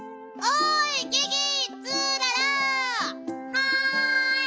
はい！